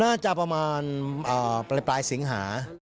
น่าจะประมาณปลายสิงหา